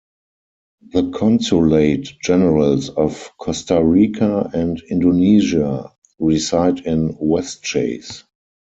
The consulate generals of Costa Rica and Indonesia reside in Westchase.